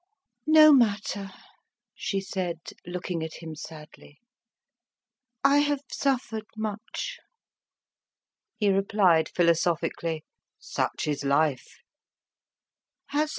"No matter!" she said, looking at him sadly. "I have suffered much." He replied philosophically "Such is life!"